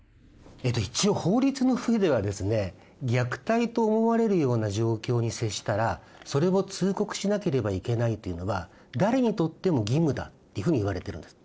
一応法律の上ではですね虐待と思われるような状況に接したらそれを通告しなければいけないというのは誰にとっても義務だというふうにいわれているんです。